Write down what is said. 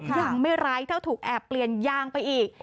ยังไม่ไร้เท่าถูกแอบเปลี่ยนยางไปอีก